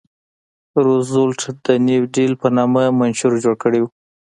روزولټ د نیو ډیل په نامه منشور جوړ کړی و.